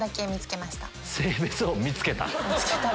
性別を見つけた？